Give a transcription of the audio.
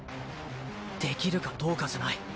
できるかどうかじゃない。